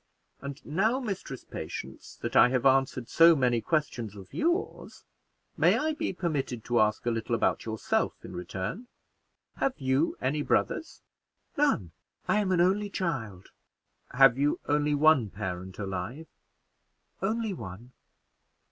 And now, Mistress Patience, that I have answered so many questions of yours, may I be permitted to ask a little about yourself in return? Have you any brothers?" "None; I am an only child." "Have you only one parent alive?" "Only one."